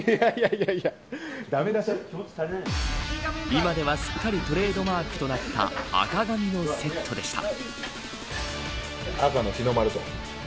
今では、すっかりトレードマークとなった赤髪のセットでした。